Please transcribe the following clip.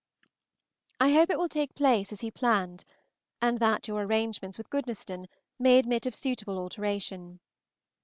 I hope it will take place as he planned, and that your arrangements with Goodnestone may admit of suitable alteration.